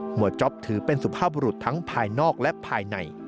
จ๊อปถือเป็นสุภาพบุรุษทั้งภายนอกและภายใน